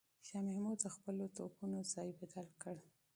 شاه محمود د خپلو توپونو ځای بدل کړ.